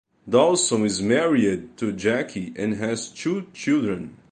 Dawson is married to Jacqui and has two children.